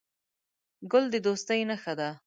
ګل د دوستۍ نښه ده.